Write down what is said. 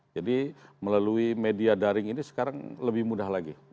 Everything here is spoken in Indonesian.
jadi melalui media daring ini sekarang lebih mudah lagi